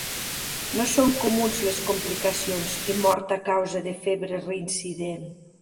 No són comuns les complicacions i mort a causa de febre reincident.